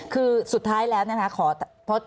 คือสุดท้ายแล้วนะคะ